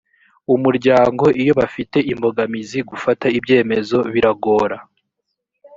umuryango iyo bafite imbogamizi gufata ibyemezo biragora.